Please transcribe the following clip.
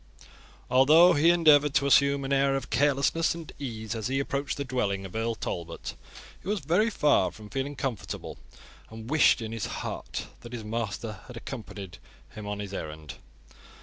Although he endeavoured to assume an air of carelessness and ease as he approached the dwelling of Earl Talbot, he was very far from feeling comfortable, and wished in his heart that his master had accompanied him on his errand.